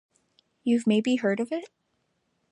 You've maybe heard of it?